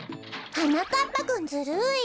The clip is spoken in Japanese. はなかっぱくんずるい！